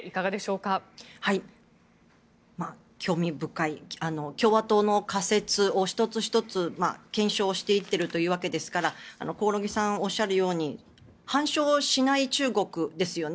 興味深い共和党の仮説を１つ１つ検証していっているというわけですから興梠さんがおっしゃるように反証しない中国ですよね。